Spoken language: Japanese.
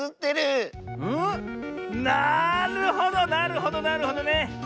なるほどなるほどなるほどね。